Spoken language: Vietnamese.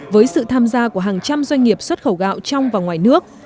với sự tham gia của hàng trăm doanh nghiệp xuất khẩu gạo trong và ngoài nước